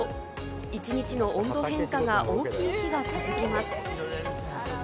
１日の温度変化が大きい日が続きます。